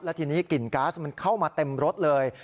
ทีนี้กลิ่นก๊าซมันเข้ามาเต็มรถเลย